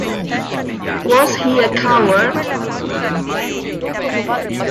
Was He a Coward?